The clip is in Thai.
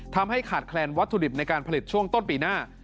ทำให้ขาดแคลนวัตถุดิบในการผลิตช่วงต้นปีหน้า